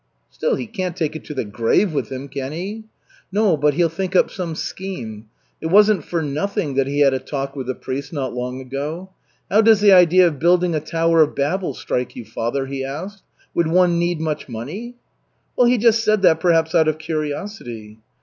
"Still, he can't take it to the grave with him, can he?" "No, but he'll think up some scheme. It wasn't for nothing that he had a talk with the priest not long ago. 'How does the idea of building a tower of Babel strike you, Father?' he asked. 'Would one need much money?'" "Well, he just said that perhaps out of curiosity."